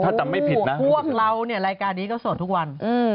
พวกเราละการนี้ก็ส่วนทุกวัน